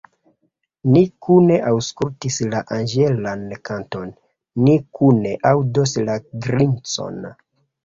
Ni kune aŭskultis la anĝelan kanton, ni kune aŭdos la grincon.